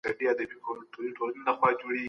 حکومتونه د سولي په خبرو کي څه غواړي؟